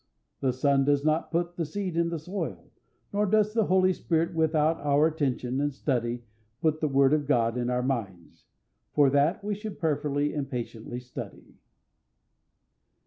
The sun does not put the seed in the soil, nor does the Holy Spirit without our attention and study put the word of God in our minds. For that we should prayerfully and patiently study.